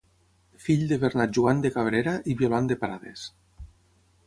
Fill de Bernat Joan de Cabrera i Violant de Prades.